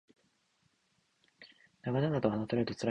長々と話されると辛いので早く終わってほしい